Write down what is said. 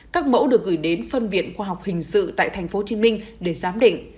các mẫu được gửi đến phân viện khoa học hình sự tại tp hcm để giám định